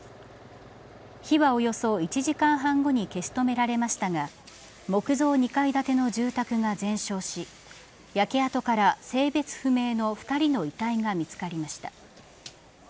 火はおよそ１時間半後に消し止められましたが木造２階建ての住宅が全焼し焼け跡から性別不明の２人の遺体が見つかりました。